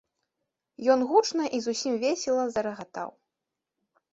Ён гучна і зусім весела зарагатаў.